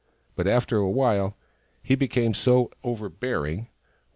But after a while, he became so overbearing that Waat, s.